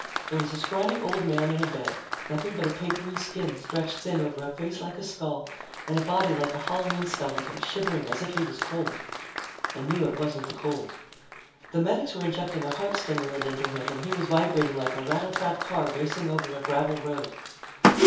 There was a scrawny old man in a bed, nothing but a papery skin stretched thin over a face like a skull and a body like a Halloween skeleton, shivering as if he was cold. I knew it wasn't the cold. The medics were injecting a heart stimulant into him and he was vibrating like a rattletrap car racing over a gravel road.